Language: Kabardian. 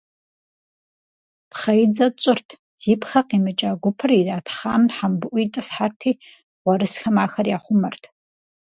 Пхъэидзэ тщӀырт, зи пхъэ къимыкӀа гупыр иратхъам хьэмбыӀуу итӏысхьэрти, гъуэрысхэм ахэр яхъумэрт.